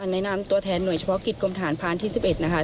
ในนามตัวแทนหน่วยเฉพาะกิจกรมฐานพานที่๑๑นะคะ